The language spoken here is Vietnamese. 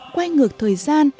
quay ngược thời gian